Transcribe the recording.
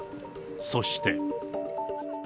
そして。